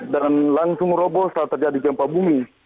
dan langsung robo saat terjadi gempa bumi